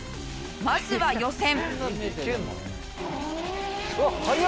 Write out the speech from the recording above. まずは予選。